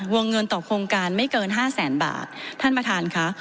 วงเงินต่อโครงการไม่เกินห้าแสนบาทท่านประธานค่ะ